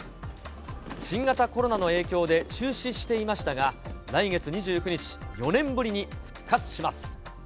新型コロナの影響で中止していましたが、来月２９日、４年ぶりに復活します。